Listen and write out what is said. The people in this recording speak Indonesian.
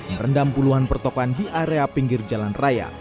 merendam puluhan pertokohan di area pinggir jalan raya